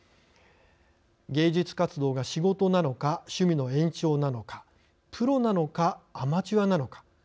芸術活動が仕事なのか趣味の延長なのかプロなのか、アマチュアなのか。